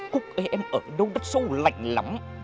cúc ơi em ở đâu đất sâu lạnh lắm